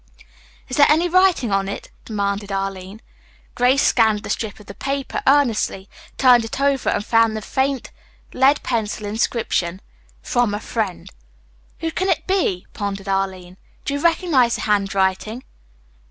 "Is there any writing on it?" demanded Arline. Grace scanned the strip of paper earnestly, turned it over and found the faint lead pencil inscription: "From a friend." "Who can it be?" pondered Arline. "Do you recognize the hand writing?"